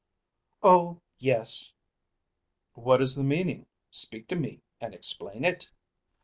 "Oh, yes." "What is the meaning? Speak to me and explain it."